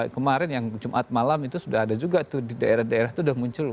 kemarin yang jumat malam itu sudah ada juga tuh di daerah daerah itu sudah muncul